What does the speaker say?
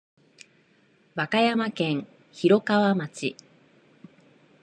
和歌山県広川町